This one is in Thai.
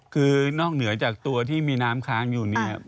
คือนอกเหนือจากตัวที่มีน้ำค้างอยู่เนี่ย